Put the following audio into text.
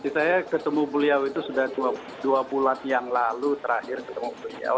saya ketemu beliau itu sudah dua bulan yang lalu terakhir ketemu beliau